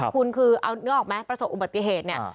คุณคือเอานึกออกไหมประสบอุบัติเหตุเนี่ย